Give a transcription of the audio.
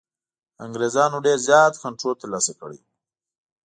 انګرېزانو ډېر زیات کنټرول ترلاسه کړی وو.